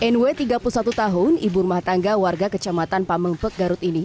nw tiga puluh satu tahun ibu rumah tangga warga kecamatan pamengpek garut ini